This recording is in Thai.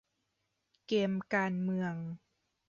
เกมการเมือง